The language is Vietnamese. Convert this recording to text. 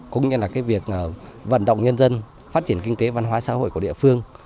cũng như là cái việc vận động nhân dân phát triển kinh tế văn hóa xã hội của địa phương